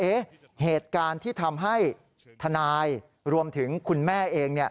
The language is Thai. เหตุการณ์ที่ทำให้ทนายรวมถึงคุณแม่เอง